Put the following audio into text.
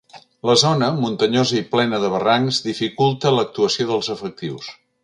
La zona, muntanyosa i plena de barrancs, dificulta l’actuació dels efectius.